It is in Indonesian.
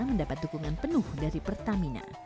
mendapat dukungan penuh dari pertamina